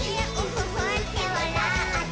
ふっふってわらって」